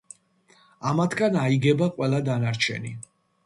ამათგან აიგება ყველა დანარჩენი.